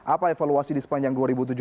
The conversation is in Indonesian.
apa evaluasi di sepanjang dua ribu tujuh belas